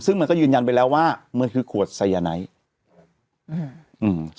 ซึ่งมันก็ยืนยันไปแล้วว่ามันคือขวดไซยาไนท์อืมอืม